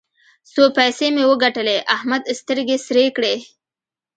څو پيسې مې وګټلې؛ احمد سترګې سرې کړې.